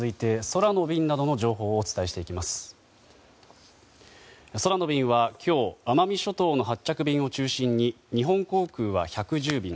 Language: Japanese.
空の便は今日奄美諸島の発着便を中心に日本航空は１１０便